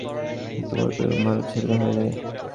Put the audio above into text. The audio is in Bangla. একটা ভদ্র এবং ভালো ছেলে হয়ে যা।